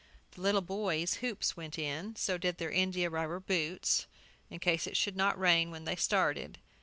The little boys' hoops went in; so did their india rubber boots, in case it should not rain when they started.